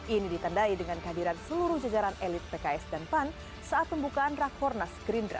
ini ditandai dengan kehadiran seluruh jajaran elit pks dan pan saat pembukaan rakornas gerindra